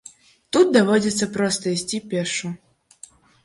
Тут даводзіцца проста ісці пешшу.